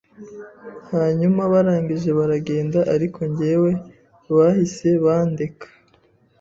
hanyuma barangije baragenda ariko njyewe bahise bandeka